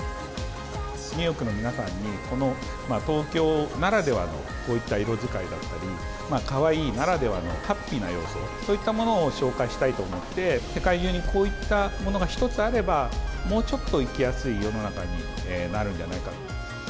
ニューヨークの皆さんに、この東京ならではの、こういった色使いだったり、カワイイならではの、ハッピーな要素、そういったものを紹介したいと思って、世界中にこういったものが一つあれば、もうちょっと生きやすい世の中になるんじゃないかと。